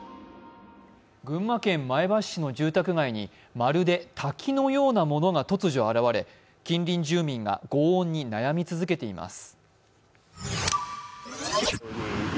群馬県前橋市の住宅街にまるで滝のようなものが突如現れ、近隣住民がごう音に悩み続けています。